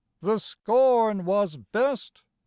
the scorn was best !